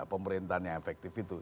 pemerintahan yang efektif itu